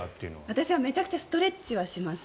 私はめちゃくちゃストレッチはします。